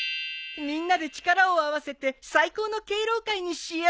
みんなで力を合わせて最高の敬老会にしよう。